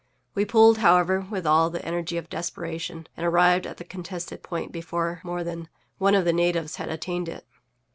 We pulled, however, with all the energy of desperation, and arrived at the contested point before more than one of the natives had attained it.